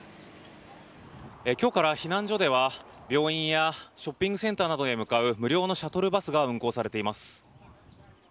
きょうから避難所では、病院やショッピングセンターなどへ向かう無料のシャトルバスが運行されています。